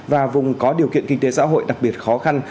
và vùng có điều kiện kinh tế xã hội đặc biệt khó khăn